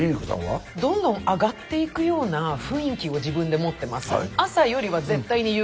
どんどん上がっていくような雰囲気を自分で持ってます。